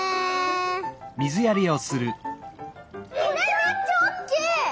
めっちゃおっきい。